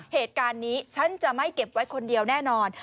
เหตุการณ์นี้ฉันจะไม่เก็บไว้คนเดียวแน่นอน